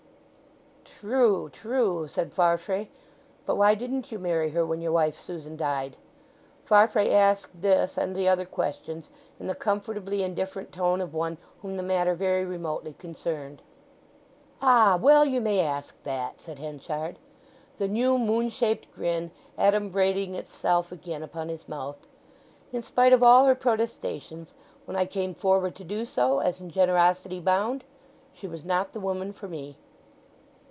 "Tr rue, tr rue," said Farfrae. "But why didn't you marry her when your wife Susan died?" Farfrae asked this and the other questions in the comfortably indifferent tone of one whom the matter very remotely concerned. "Ah—well you may ask that!" said Henchard, the new moon shaped grin adumbrating itself again upon his mouth. "In spite of all her protestations, when I came forward to do so, as in generosity bound, she was not the woman for me."